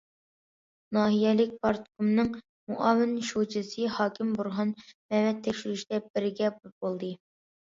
ناھىيەلىك پارتكومنىڭ مۇئاۋىن شۇجىسى، ھاكىم بورھان مەمەت تەكشۈرۈشتە بىرگە بولدى.